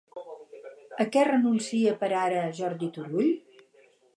A què renuncia per ara Jordi Turull?